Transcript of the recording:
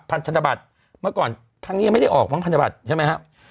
พันธนบัตรเมื่อก่อนครั้งนี้ยังไม่ได้ออกบ้างพันธบัตรใช่ไหมครับ